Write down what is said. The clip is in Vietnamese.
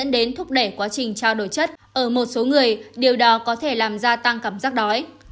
để quá trình trao đổi chất ở một số người điều đó có thể làm gia tăng cảm giác đói